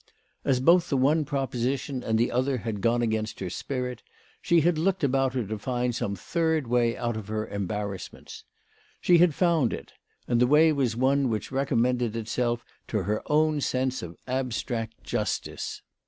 As both the one proposition and the other had gone against her spirit, she had looked about her to find some third way out of her embarrassments. She had found it, and the way was one which recommended itself to her own sense of abstract justice.